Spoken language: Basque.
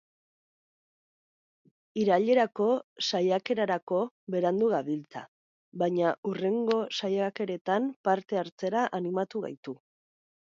Irailerako saiakerarako berandu gabiltza, baina hurrengo saiakeretan parte hartzera animatu gaitu.